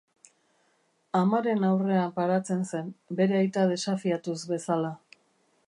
Amaren aurrean paratzen zen, bere aita desafiatuz bezala.